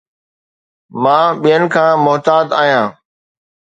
مان ٻين کان محتاط آهيان